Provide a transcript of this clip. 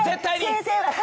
先生は。